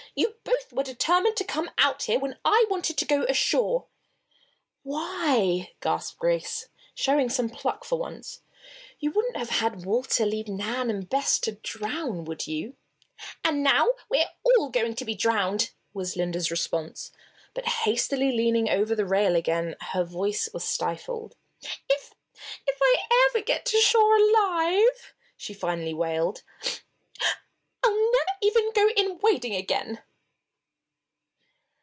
"You both were determined to come out here when I wanted to go ashore." "Why!" gasped Grace, showing some pluck for once, "you wouldn't have had Walter leave Nan and Bess to drown, would you?" "And now we're all going to be drowned!" was Linda's response, but hastily leaning over the rail again, her voice was stifled. "If if I ever get to shore alive," she finally wailed, "I'll never even go in wading again."